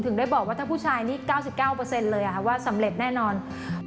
ได้บอกว่าถ้าผู้ชายนี่๙๙เลยว่าสำเร็จแน่นอน